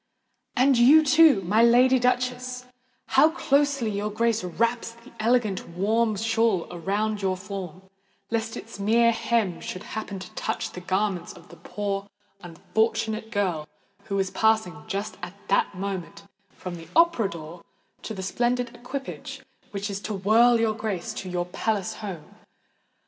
And you, too, my Lady Duchess—how closely your Grace wraps that elegant, warm shawl around your form, lest its mere hem should happen to touch the garments of that poor unfortunate girl who is passing just at the moment when your Grace is stepping from the Opera door into the splendid equipage which is to whirl your Grace to your palace home!